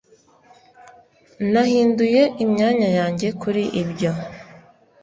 Nahinduye imyanya yanjye kuri ibyo